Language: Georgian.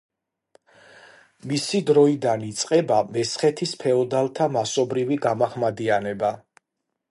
მისი დროიდან იწყება მესხეთის ფეოდალთა მასობრივი გამაჰმადიანება.